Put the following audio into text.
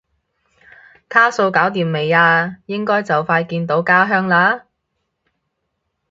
卡數搞掂未啊？應該就快見到家鄉啦？